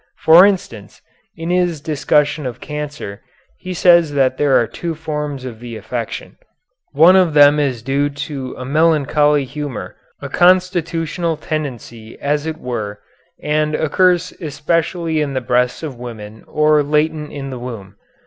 For instance, in his discussion of cancer he says that there are two forms of the affection. One of them is due to a melancholy humor, a constitutional tendency as it were, and occurs especially in the breasts of women or latent in the womb.